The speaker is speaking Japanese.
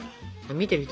見てる人